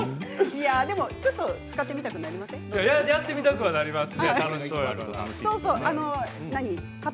ちょっと使ってみたくなりませんか。